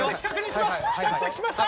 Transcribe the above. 着席しました！